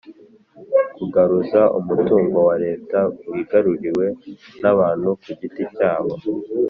kugaruza umutungo wa leta wigarurirwe n abantu ku giti cyabo